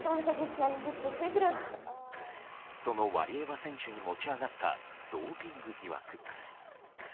そのワリエワ選手に持ち上がったドーピング疑惑。